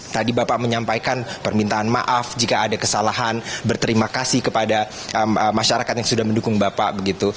tadi bapak menyampaikan permintaan maaf jika ada kesalahan berterima kasih kepada masyarakat yang sudah mendukung bapak begitu